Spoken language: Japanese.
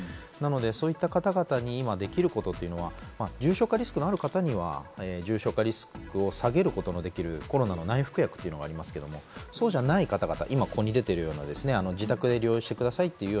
そういった方々に今、できることは重症化リスクがある方には、重症化リスクを下げることもできるコロナの内服薬がありますけれども、そうじゃない方々、ここに出ている自宅で療養してくださいという。